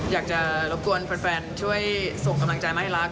อยากจะรบกวนแฟนช่วยส่งกำลังใจมาให้รัก